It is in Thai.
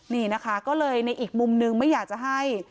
นี่นะคะก็เลยในอีกมุมนึงไม่อยากจะให้